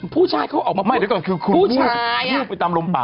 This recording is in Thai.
ผู้ชายเขาออกมาไหม้เดี๋ยวก่อนคือคุณผู้ชายลูกไปตามลมป่า